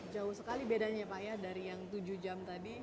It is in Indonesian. jauh sekali bedanya ya pak ya dari yang tujuh jam tadi